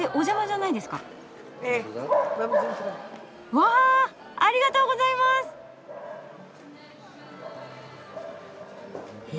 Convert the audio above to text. わありがとうございます！へ。